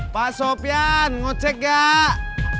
pak sopyan ngecek gak